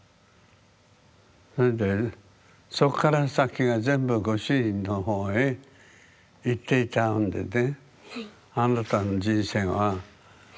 それでそこから先は全部ご主人の方へいっていたんでね。